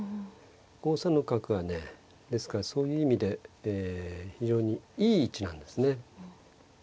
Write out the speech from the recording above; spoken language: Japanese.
５三の角はねですからそういう意味で非常にいい位置なんですね。